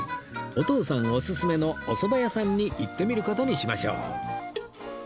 お父さんオススメのお蕎麦屋さんに行ってみる事にしましょう